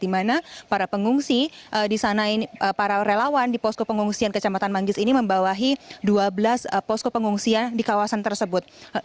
di mana para pengungsi di sana para relawan di posko pengungsian kecamatan manggis ini membawahi dua belas posko pengungsian di kawasan tersebut